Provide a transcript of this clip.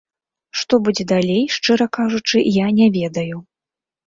Што будзе далей, шчыра кажучы, я не ведаю.